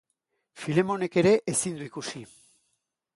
Filemonek ere ezin du ikusi.